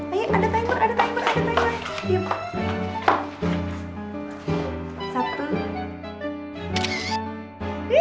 ayo ada timer ada timer ada timer